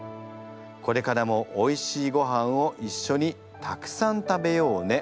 これからもおいしいごはんをいっしょにたくさん食べようね。